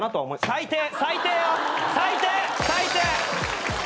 最低！